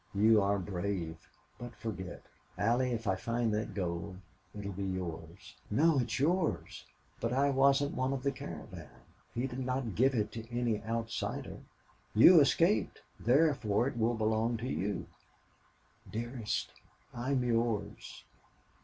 You are brave! But forget... Allie, if I find that gold it'll be yours." "No. Yours." "But I wasn't one of the caravan. He did not give it to any outsider. You escaped. Therefore it will belong to you." "Dearest, I am yours."